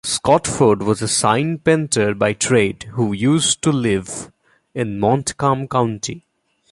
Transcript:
Scotford was a sign-painter by trade who used to live in Montcalm County.